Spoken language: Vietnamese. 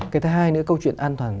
cái thứ hai nữa câu chuyện an toàn